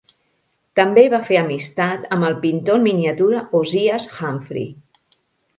També va fer amistat amb el pintor en miniatura Ozias Humphrey.